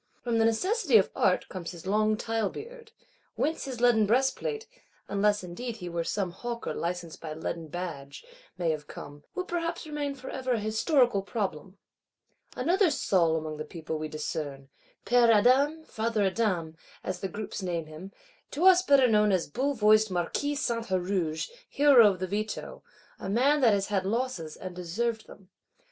From the necessities of Art comes his long tile beard; whence his leaden breastplate (unless indeed he were some Hawker licensed by leaden badge) may have come,—will perhaps remain for ever a Historical Problem. Another Saul among the people we discern: "Père Adam, Father Adam," as the groups name him; to us better known as bull voiced Marquis Saint Huruge; hero of the Veto; a man that has had losses, and deserved them.